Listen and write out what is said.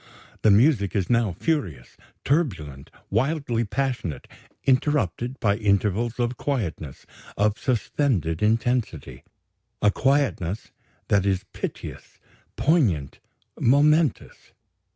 The music is now furious, turbulent, wildly passionate, interrupted by intervals of quietness, of suspended intensity a quietness that is piteous, poignant, momentous.